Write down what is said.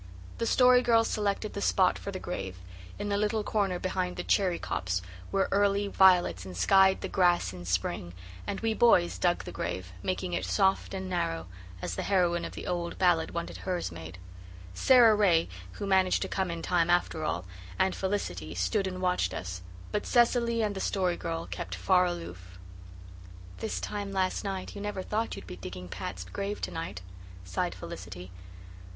The Story Girl selected the spot for the grave, in a little corner behind the cherry copse, where early violets enskied the grass in spring, and we boys dug the grave, making it "soft and narrow," as the heroine of the old ballad wanted hers made. Sara Ray, who managed to come in time after all, and Felicity stood and watched us, but Cecily and the Story Girl kept far aloof. "This time last night you never thought you'd be digging Pat's grave to night," sighed Felicity.